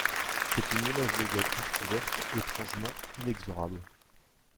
C’est une menace de gueule entr’ouverte, étrangement inexorable.